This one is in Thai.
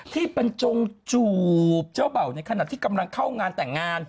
ที่เป็นจงจูบเจ้าเบ่าในขณะที่กำลังเข้างานแต่งงาน